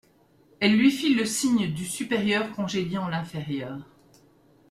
Elle lui fit le signe du supérieur congédiant l'inférieur.